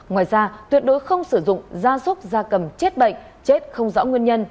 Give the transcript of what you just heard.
ngoài ra tuyệt đối không sử dụng da súc da cầm chết bệnh chết không rõ nguyên nhân